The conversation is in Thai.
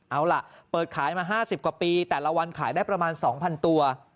เอาล่ะเปิดขายมา๕๐กว่าปีแต่ละวันขายได้ประมาณ๒๐๐ตัว